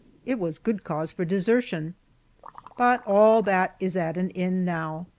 It was good cause for desertion. But all that is at an end now.